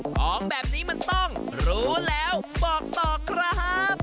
ของแบบนี้มันต้องรู้แล้วบอกต่อครับ